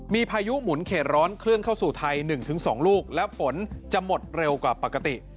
มีพายุหมุนเขตร้อนเคลื่อนเข้าสู่ไทย๑๒ลูกและฝนจะหมดเร็วกว่าปกติ